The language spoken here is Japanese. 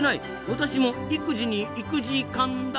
私も育児に行く時間だ！